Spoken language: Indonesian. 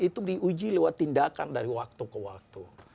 itu diuji lewat tindakan dari waktu ke waktu